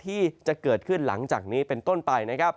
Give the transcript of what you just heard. ที่จะเกิดขึ้นหลังจากนี้เป็นต้นไปนะครับ